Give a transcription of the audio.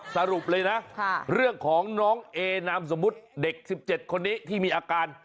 สรุปเลยนะเรื่องของน้องเอนามสมมุติเด็ก๑๗คนนี้ที่มีอาการ